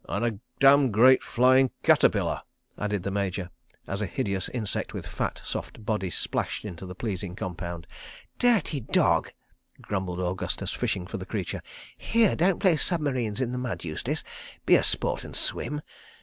..." "And a damn great flying caterpillar," added the Major as a hideous insect, with a fat, soft body, splashed into the pleasing compound. "Dirty dog!" grumbled Augustus, fishing for the creature. "Here, don't play submarines in the mud, Eustace—be a sport and swim.